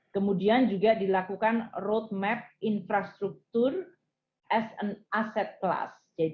kemudian juga dilakukan road map infrastructure as an asset class